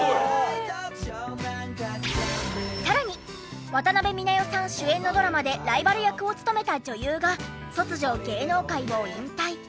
さらに渡辺美奈代さん主演のドラマでライバル役を務めた女優が突如芸能界を引退。